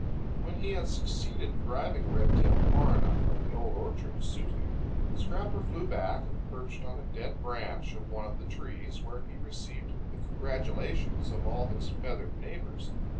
When he had succeeded in driving Redtail far enough from the Old Orchard to suit him, Scrapper flew back and perched on a dead branch of one of the trees, where he received the congratulations of all his feathered neighbors.